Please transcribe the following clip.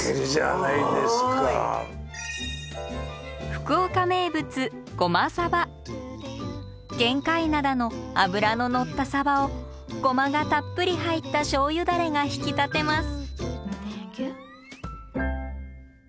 福岡名物玄界灘の脂の乗ったさばをごまがたっぷり入ったしょうゆダレが引き立てます。